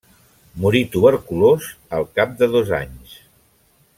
Morí tuberculós al cap de dos anys.